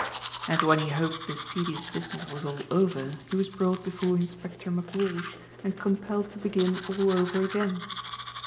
And when he hoped this tedious business was all over, he was brought before Inspector McWalsh and compelled to begin all over again.